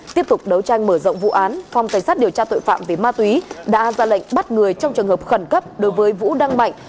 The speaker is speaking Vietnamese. tiếp tục đấu tranh mở rộng vụ án phòng cảnh sát điều tra tội phạm về ma túy đã ra lệnh bắt người trong trường hợp khẩn cấp đối với vũ đăng mạnh